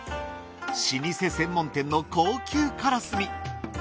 老舗専門店の高級カラスミ。